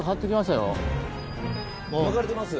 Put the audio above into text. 巻かれてます？